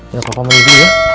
ya kok kamu lebih ya